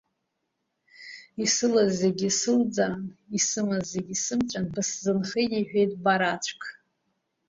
Исылаз зегь сылӡаан, Исымаз зегь сымҵәан бызсынхеит, – иҳәеит, бараӡәк.